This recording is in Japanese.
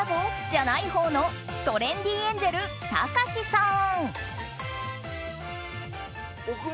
じゃないほうのトレンディエンジェルたかしさん。